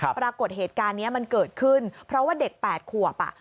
ปรากฏเหตุการณ์นี้มันเกิดขึ้นเพราะว่าเด็ก๘ขวบ